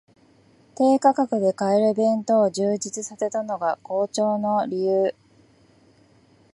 低価格で買える弁当を充実させたのが好調の理由